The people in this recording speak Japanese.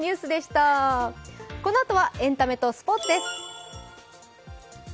このあとはエンタメとスポーツです。